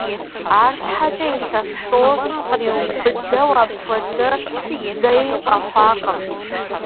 Арщхьэкӏэ илъэс тӏощӏым къриубыдэу апхуэдэ зэи къэхъуакъым.